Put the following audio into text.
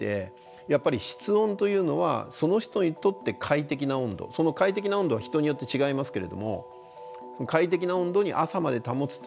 やっぱり室温というのはその人にとって快適な温度その快適な温度は人によって違いますけれども快適な温度に朝まで保つというのが大事です。